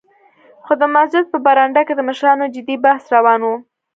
خو د مسجد په برنډه کې د مشرانو جدي بحث روان و.